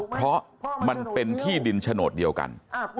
เพราะมันเป็นที่ดินโฉนดเดียวกัน